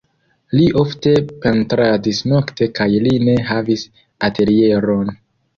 Li ofte pentradis nokte kaj li ne havis atelieron.